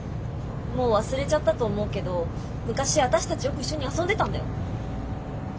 もう忘れちゃったと思うけど昔私たちよく一緒に遊んでたんだよ。